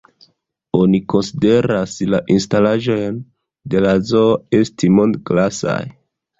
Oni konsideras la instalaĵojn de la zoo esti mond-klasaj.